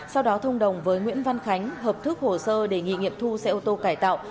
sau đó thông đồng với nguyễn văn khánh hợp thức hồ sơ đề nghị nghiệm thu xe ô tô cải tạo